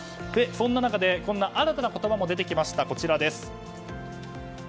そんな中、新たな言葉も出てきました。